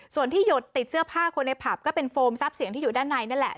ส่วนที่หยดติดเสื้อผ้าคนในผับก็เป็นโฟมทรัพย์เสียงที่อยู่ด้านในนั่นแหละ